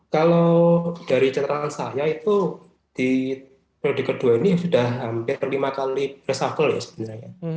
kalau dari citaran saya itu di proyek kedua ini sudah hampir lima kali resafel sebenarnya